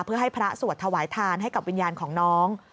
เพื่อให้พระสวดถวายทานให้กับวิญญาณของน้อง